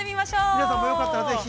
◆皆さんも、よかったらぜひ。